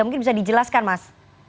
mungkin bisa dijelaskan mas